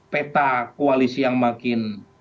peta koalisi yang makin